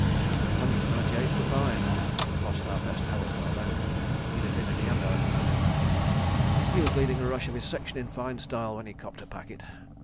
... The Hundred and Ninety Eighth were fine. Lost our best Havildar, though. He'd have been Jemadar if he'd lived. He was leading a rush of his section in fine style, when he 'copped a packet.